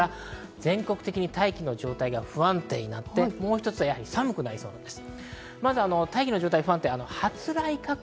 全国的に大気の状態が不安定になって、寒くなりそうです。